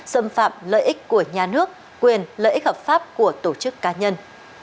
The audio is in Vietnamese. xâm phạm lợi ích của nhà nước quyền lợi ích hợp pháp của tổ chức cá nhân